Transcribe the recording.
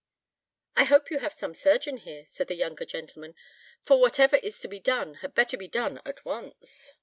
"I hope you have some surgeon here," said the younger gentleman; "for whatever is to be done, had better be done at once."